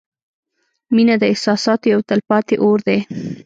• مینه د احساساتو یو تلپاتې اور دی.